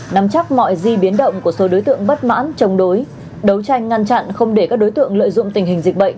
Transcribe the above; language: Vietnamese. nắm chắc mọi di biến động của số đối tượng bất mãn chống đối đấu tranh ngăn chặn không để các đối tượng lợi dụng tình hình dịch bệnh